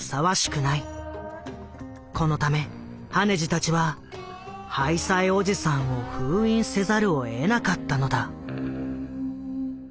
このため羽地たちは「ハイサイおじさん」を封印せざるをえなかったのだ。